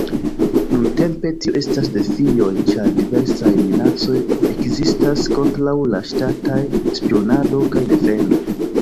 Nuntempe, tio estas defioj ĉar diversaj minacoj ekzistas kontraŭ la ŝtataj spionado kaj defendo.